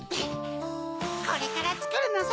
これからつくるのさ！